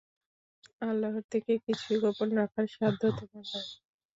আল্লাহর থেকে কিছুই গোপন রাখার সাধ্য তোমার নেই।